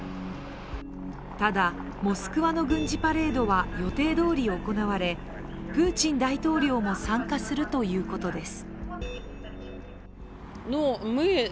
ただ、モスクワの軍事パレードは予定どおり行われプーチン大統領も参加するということです。